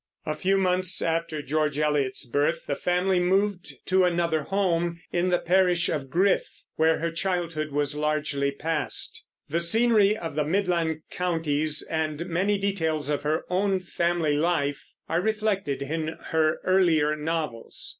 A few months after George Eliot's birth the family moved to another home, in the parish of Griff, where her childhood was largely passed. The scenery of the Midland counties and many details of her own family life are reflected in her earlier novels.